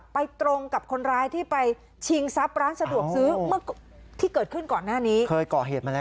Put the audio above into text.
ตรงกับคนร้ายที่ไปชิงทรัพย์ร้านสะดวกซื้อเมื่อที่เกิดขึ้นก่อนหน้านี้เคยก่อเหตุมาแล้ว